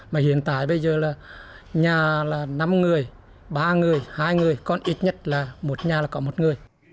mà hiện tại bây giờ là nhà là năm người ba người hai người còn ít nhất là một nhà là có một người